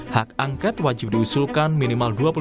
hak angkat wajib diusulkan minimal dua puluh lima anggota dpr